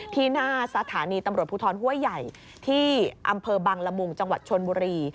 ที่หน้าสถานีตำรวจภูทรห้วยใหญ่ที่อำเภอบังละมุงจังหวัดชนบุรี